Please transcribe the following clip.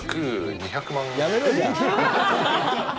２００万？